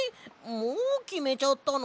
もうきめちゃったの？